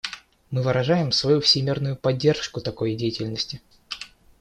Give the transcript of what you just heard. Мы выражаем свою всемерную поддержку такой деятельности.